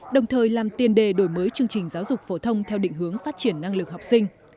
đồng thời làm tiền đề đổi mới chương trình giáo dục phổ thông theo định hướng phát triển năng lực học sinh